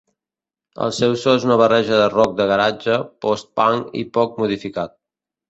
El seu so és una barreja de rock de garatge, postpunk i pop modificat.